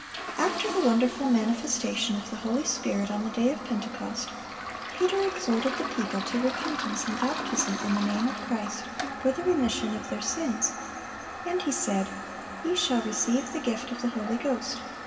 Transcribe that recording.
After the wonderful manifestation of the Holy Spirit on the day of Pentecost, Peter exhorted the people to repentance and baptism in the name of Christ, for the remission of their sins; and he said: "Ye shall receive the gift of the Holy Ghost.